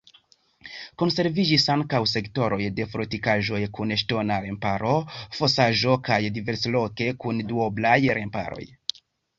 Konserviĝis ankaŭ sektoroj de fortikaĵoj kun ŝtona remparo, fosaĵo kaj diversloke kun duoblaj remparoj.